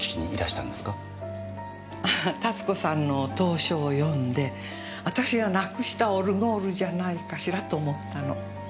たつ子さんの投書を読んで私がなくしたオルゴールじゃないかしらと思ったの。